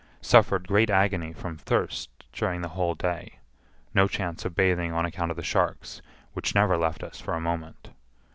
Suffered great agony from thirst during the whole day—no chance of bathing on account of the sharks, which never left us for a moment.